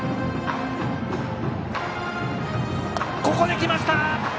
ここできました！